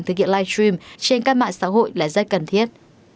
thực hiện live stream trên các mạng xã hội là rất cần thiết